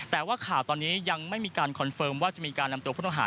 แต่ว่าข่าวตอนนี้ยังไม่มีการคอนเฟิร์มว่าจะมีการนำตัวผู้ต้องหา